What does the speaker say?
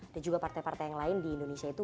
dan juga partai partai yang lain di indonesia itu